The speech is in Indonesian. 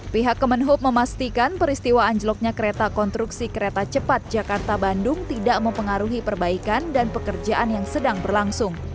pihak kemenhub memastikan peristiwa anjloknya kereta konstruksi kereta cepat jakarta bandung tidak mempengaruhi perbaikan dan pekerjaan yang sedang berlangsung